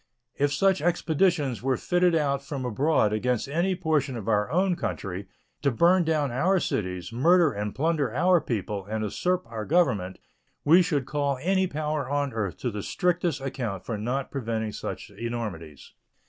If such expeditions were fitted out from abroad against any portion of our own country, to burn down our cities, murder and plunder our people, and usurp our Government, we should call any power on earth to the strictest account for not preventing such enormities.